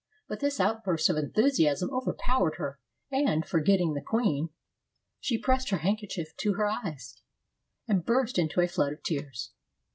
But this outburst of enthu siasm overpowered her, and, forgetting the queen, she pressed her handkerchief to her eyes and burst into a flood of tears.